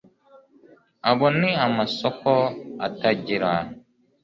Abo ni amasoko atagira